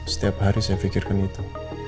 setiap hari saya pikirkan itu